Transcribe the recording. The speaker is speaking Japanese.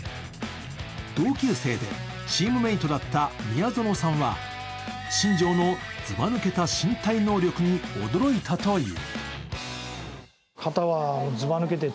同級生でチームメイトだった宮園さんは新庄のずば抜けた身体能力に驚いたという。